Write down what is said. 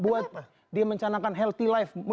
buat dia mencanakan healthy life